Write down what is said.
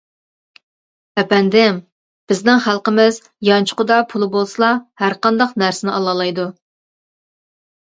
ئەپەندىم، بىزنىڭ خەلقىمىز يانچۇقىدا پۇلى بولسىلا، ھەرقانداق نەرسىنى ئالالايدۇ.